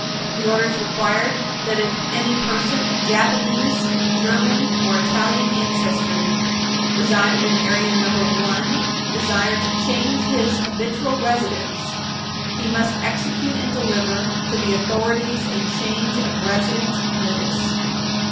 The orders required that, if any person of Japanese, German or Italian ancestry residing in Area No. 1 desired to change his habitual residence, he must execute and deliver to the authorities a Change of Residence Notice.